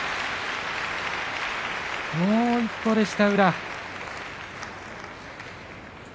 もう一歩でした、宇良。